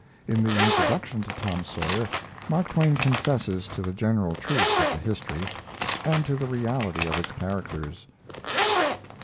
In the introduction to Tom Sawyer Mark Twain confesses to the general truth of the history, and to the reality of its characters.